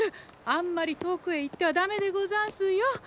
あんまり遠くへ行ってはダメでござんすよ。